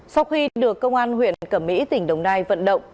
sau khi được công an huyện cẩm mỹ tỉnh đồng nai vận động